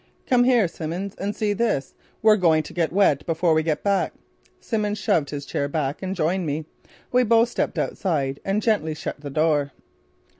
"Come here, Simmons, and see this. We're going to get wet before we get back." Simmons shoved his chair back and joined me. We both stepped outside and gently shut the door.